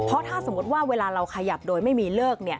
เพราะถ้าสมมุติว่าเวลาเราขยับโดยไม่มีเลิก